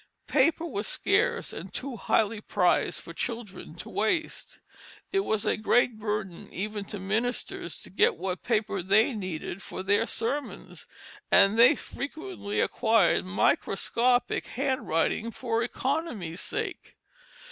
Paper was scarce and too highly prized for children to waste; it was a great burden even to ministers to get what paper they needed for their sermons, and they frequently acquired microscopic hand writing for economy's sake.